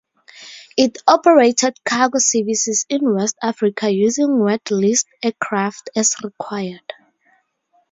It operated cargo services in West Africa using wet-leased aircraft as required.